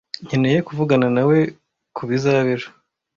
Nkeneye kuvugana nawe kubizaba ejo.